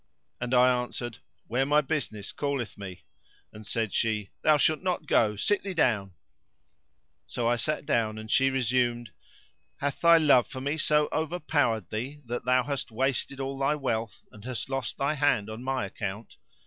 and I answered, "Where my business calleth me;" and said she, "Thou shalt not go: sit thee down." So I sat down and she resumed, "Hath thy love for me so overpowered thee that thou hast wasted all thy wealth and hast lost thine hand on my account?